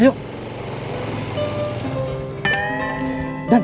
bentar lagi dan